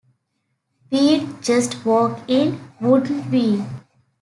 We'd just walk in, wouldn't we?